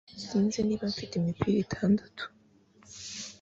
Sinzi niba mfite imipira itandatu